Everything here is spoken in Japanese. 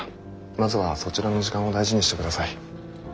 まずはそちらの時間を大事にしてください。